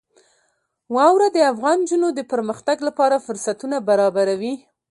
واوره د افغان نجونو د پرمختګ لپاره فرصتونه برابروي.